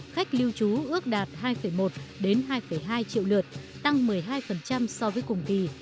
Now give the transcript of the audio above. khách lưu trú ước đạt hai một hai hai triệu lượt tăng một mươi hai so với cùng kỳ